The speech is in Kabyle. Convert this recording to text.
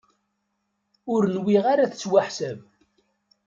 Ur nwiɣ ara yettwaḥsab.